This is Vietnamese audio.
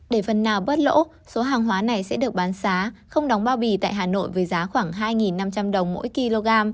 để phần nào bớt lỗ số hàng hóa này sẽ được bán giá không đóng bao bì tại hà nội với giá khoảng hai năm trăm linh đồng mỗi kg